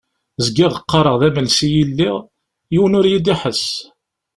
Zgiɣ qqareɣ d amelsi i lliɣ, yiwen ur yi-d-iḥess.